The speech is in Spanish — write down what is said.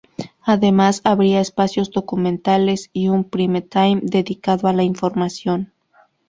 Además, habría espacios documentales y un "prime time" dedicado a la información.